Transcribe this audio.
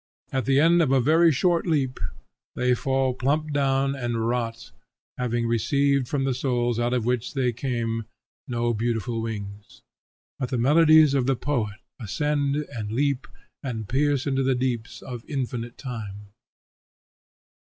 At the end of a very short leap they fall plump down and rot, having received from the souls out of which they came no beautiful wings. But the melodies of the poet ascend and leap and pierce into the deeps of infinite time.